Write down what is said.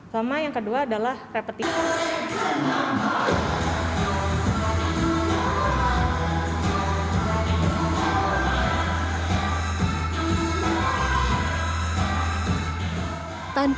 sama yang kedua adalah repetika